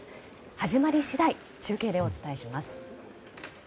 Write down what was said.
始まり次第中継でお伝えします。